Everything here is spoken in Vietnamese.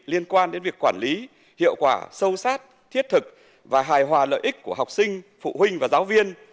liên quan đến việc quản lý hiệu quả sâu sát thiết thực và hài hòa lợi ích của học sinh phụ huynh và giáo viên